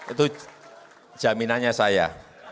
itu jaminannya saya